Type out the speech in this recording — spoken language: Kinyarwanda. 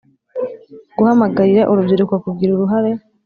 Guhamagarira Urubyiruko Kugira Uruhare